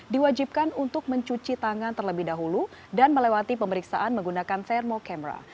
diwajibkan untuk mencuci tangan terlebih dahulu dan melewati pemeriksaan menggunakan termocamera